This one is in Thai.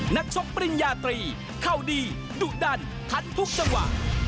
นักชกปริญญาตรีเข้าดีดุดันทันทุกจังหวะ